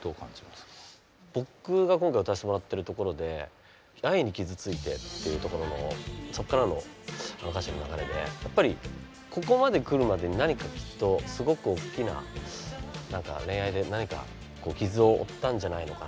僕が今回歌わせてもらってるところで「愛に傷ついて」っていうところのそっからの歌詞の流れでやっぱりここまで来るまでに何かきっとすごくおっきななんか恋愛で何か傷を負ったんじゃないのかな